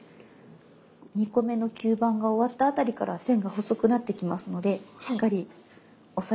２個目の吸盤が終わった辺りから線が細くなってきますのでしっかり押さえながら丁寧に切っていって下さい。